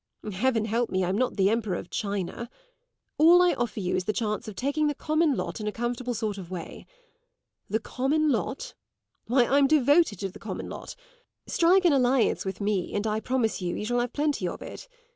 Heaven help me, I'm not the Emperor of China! All I offer you is the chance of taking the common lot in a comfortable sort of way. The common lot? Why, I'm devoted to the common lot! Strike an alliance with me, and I promise you that you shall have plenty of it.